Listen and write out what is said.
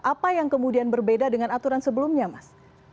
apa yang kemudian berbeda dengan aturan sebelumnya mas